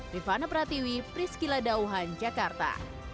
rifana pratiwi prisky ladauhan jakarta